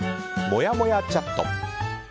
もやもやチャット。